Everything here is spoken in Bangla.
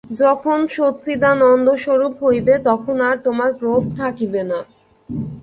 যখন সচ্চিদানন্দস্বরূপ হইবে, তখন আর তোমার ক্রোধ থাকিবে না।